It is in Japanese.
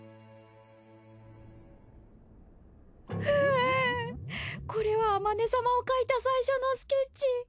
うぅこれはあまね様を描いた最初のスケッチ。